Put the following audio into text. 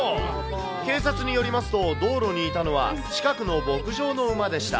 警察によりますと、道路にいたのは、近くの牧場の馬でした。